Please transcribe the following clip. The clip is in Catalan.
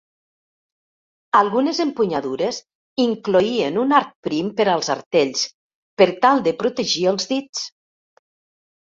Algunes empunyadures incloïen un arc prim per als artells per tal de protegir els dits.